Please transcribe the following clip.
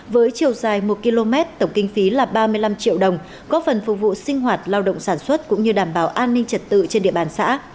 với chiều dài một km tổng kinh phí là ba mươi năm triệu đồng góp phần phục vụ sinh hoạt lao động sản xuất cũng như đảm bảo an ninh trật tự trên địa bàn xã